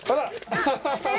アハハハ！